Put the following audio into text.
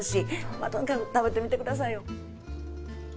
まあとにかく食べてみてくださいよ。